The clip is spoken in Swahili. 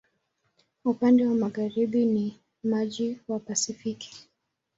Upande wa magharibi ni maji wa Pasifiki.